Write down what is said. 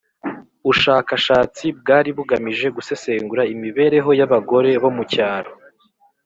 Ushakashatsi bwari bugamije gusesengura imibereho y abagore bo mucyaro